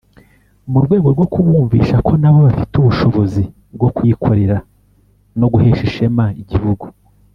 mu rwego rwo kubumvisha ko nabo bafite ubushobozi bwo kwikorera no guhesha ishema igihugu